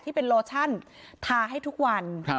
ที่เป็นโลชั่นทาให้ทุกวัน